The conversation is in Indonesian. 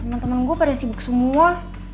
temen temen gua pada sibuk semua